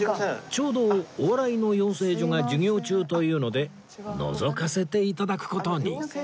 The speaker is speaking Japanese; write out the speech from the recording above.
ちょうどお笑いの養成所が授業中というのでのぞかせて頂く事に